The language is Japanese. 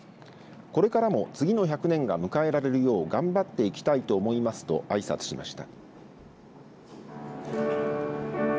これからも次の１００年が迎えられるよう頑張っていきたいと思いますとあいさつしました。